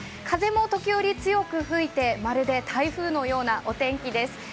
風も時折強く吹いてまるで台風のようなお天気です。